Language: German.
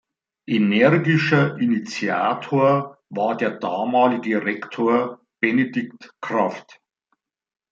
Energischer Initiator war der damalige Rektor Benedikt Kraft.